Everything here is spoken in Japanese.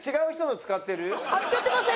使ってません！